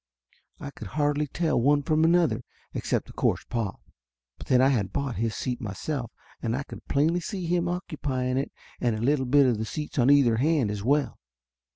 I could hardly tell on from another, except, of course, pop, but then I ha< bought his seat myself and I could plainly see hin 16 Laughter Limited 17 occupying it and a little bit of the seats on either hand, as well.